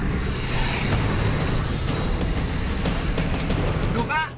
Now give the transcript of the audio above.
dari kegiatan kami